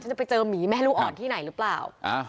จะไปเจอหมีแม่ลูกอ่อนที่ไหนหรือเปล่า